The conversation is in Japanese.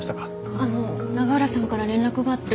あの永浦さんから連絡があって。